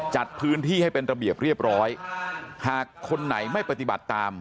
จัดพื้นที่ให้เป็นระเบียบเรียบร้อยหากคนไหนไม่ปฏิบัติตาม